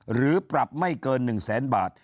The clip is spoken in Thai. หรือปรับไม่เกิน๑แสนบาท